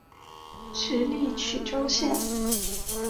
直隶曲周县人。